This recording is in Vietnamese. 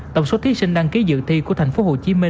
tổng số thí sinh đăng ký dự thi của tp hcm